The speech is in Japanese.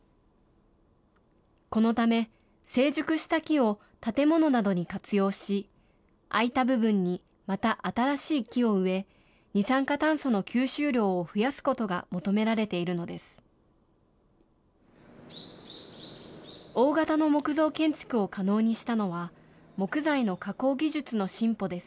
このため、成熟した木を建物などに活用し、空いた部分にまた新しい木を植え、二酸化炭素の吸収量を増やすことが求められているのです。